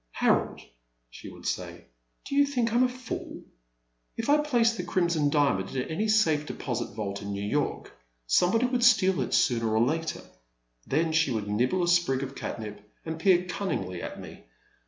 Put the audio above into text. Harold," she would say, do you think I 'm a fool ? If I place the Crimson Diamond in any safe deposit vault in New York, somebody would steal it sooner or later.*' Then she would nibble a sprig of catnip and peer cunningly at me.